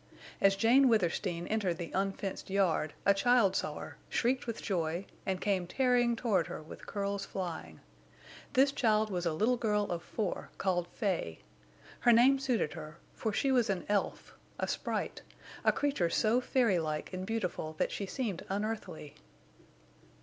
As Jane Withersteen entered the unfenced yard a child saw her, shrieked with joy, and came tearing toward her with curls flying. This child was a little girl of four called Fay. Her name suited her, for she was an elf, a sprite, a creature so fairy like and beautiful that she seemed unearthly.